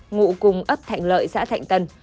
ngụ cùng ấp thạnh lợi xã thạnh tân